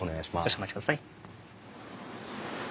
少しお待ちください。